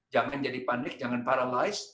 jangan jadi panik jangan paralize